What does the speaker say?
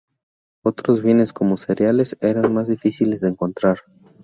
Otros bienes, como cereales eran más difíciles de encontrar.